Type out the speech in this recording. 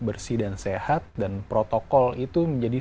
bersih dan sehat dan protokol itu menjadi